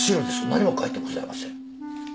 何も書いてございません。